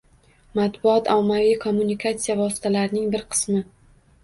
Matbuot – ommaviy kommunikatsiya vositalarining bir qismi.